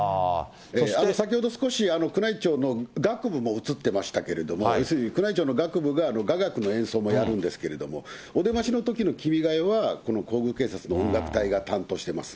先ほど少し宮内庁の楽部も映ってましたけれども、宮内庁の楽部が雅楽の演奏もやるんですけれども、お出ましのときの君が代は、この皇宮警察の音楽隊が担当しています。